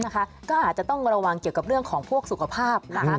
ก็อาจจะต้องระวังเกี่ยวกับเรื่องของพวกสุขภาพ